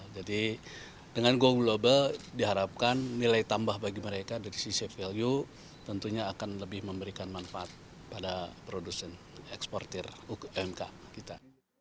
jadi dengan go global diharapkan nilai tambah bagi mereka dari sisi value tentunya akan lebih memberikan manfaat pada produsen ekspor umk kita